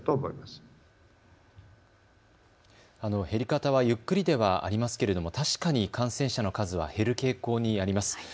減り方はゆっくりではありますけれども確かに感染者の数は減る傾向にあります。